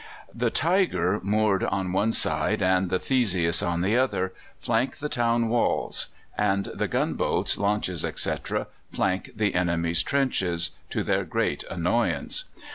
"The Tigre moored on one side and the Theseus on the other, flank the town walls, and the gunboats, launches, etc., flank the enemy's trenches, to their great annoyance.